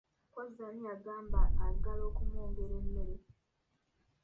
Mpozzi ani yabadde agala okumwongera emmere?